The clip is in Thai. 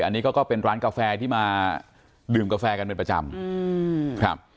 อันนี้ก็เป็นร้านกาแฟที่มาดื่มกาแฟกันเป็นประจำครับ